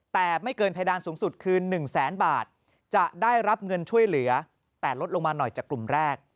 แต่ไม่เกินเพดานสูงสุดคือ๑แสนบาทจะได้รับเงินช่วยเหลือแต่ลดลงมาหน่อยจากกลุ่มแรก